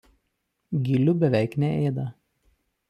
Gilių beveik neėda.